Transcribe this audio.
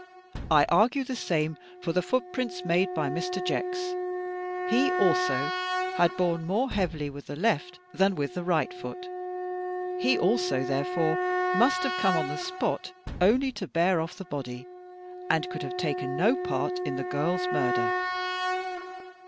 "I argue the same from the footprints made by Mr. Jex. He also had borne more heavily with the left than with the right foot. He also, therefore, must have come on the spot only to bear oflf the body, and could have taken no part in the girl's murder.